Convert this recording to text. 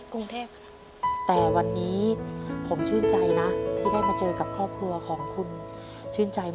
กรุงเทพค่ะแต่วันนี้ผมชื่นใจนะที่ได้มาเจอกับครอบครัวของคุณชื่นใจ